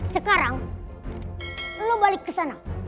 sekarang lo balik ke sana